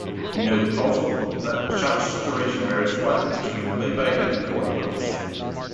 Note also that charge duration varies widely between playback and recording modes.